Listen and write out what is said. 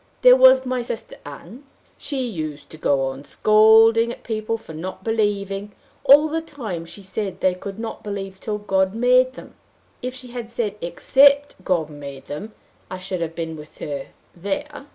There was my sister Ann: she used to go on scolding at people for not believing, all the time she said they could not believe till God made them if she had said except God made them, I should have been with her there!